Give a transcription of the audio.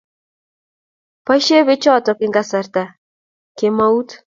Boisie bechoto eng kasarta kemeut